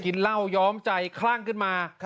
กินเหล้าย้อมใจคลั่งขึ้นมา